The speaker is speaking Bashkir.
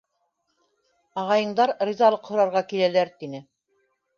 — Ағайыңдар ризалыҡ һорарға киләләр, — тине.